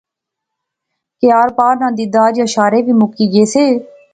کہ آر پار ناں دیدار یا شارے وی مکی گئے سے